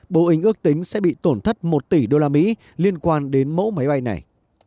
boeing ước tính sẽ bị tổn thất một tỷ usd liên quan đến mẫu máy bay này